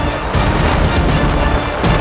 aku akan mencari dia